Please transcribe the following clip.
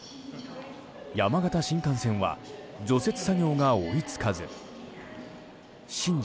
山形新幹線は除雪作業が追い付かず新庄